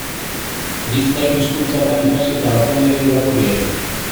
Bizpahiru hizkuntzatan ikasi eta batean ere irakurri ez.